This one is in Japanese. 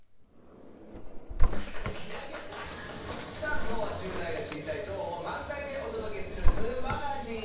きょうは１０代が知りたい情報満載でお届けする「ぬ！マガジン」。